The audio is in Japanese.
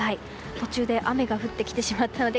途中で雨が降ってきてしまったので。